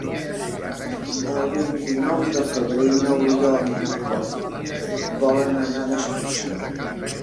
El vint-i-nou de febrer n'Oriol i na Cloè volen anar d'excursió.